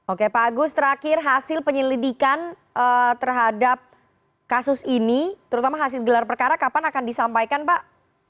oke pak agus terakhir hasil penyelidikan terhadap kasus ini terutama hasil gelar perkara kapan akan disampaikan pak